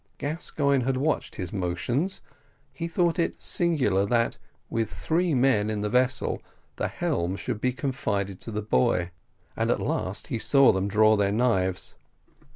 Gascoigne had watched his motions; he thought it singular that, with three men in the vessel, the helm should be confided to the boy and at last he saw them draw their knives.